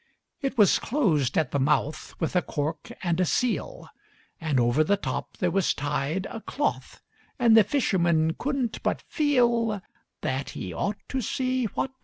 It was closed at the mouth with a cork and a seal, And over the top there was tied A cloth, and the fisherman couldn't but feel That he ought to see what was inside.